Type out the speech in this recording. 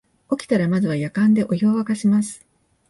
起きたらまずはやかんでお湯をわかします